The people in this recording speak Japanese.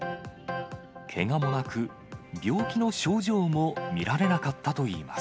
けがもなく、病気の症状も見られなかったといいます。